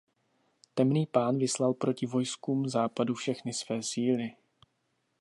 Temný pán vyslal proti vojskům západu všechny své síly.